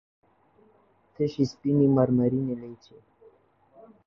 تشې سپينې مرمرينې لېچې